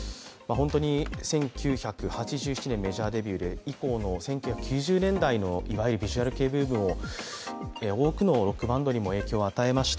本当に１９８７年メジャーデビューで以降の１９９０年代のロックシーンの多くのロックバンドにも影響を与えました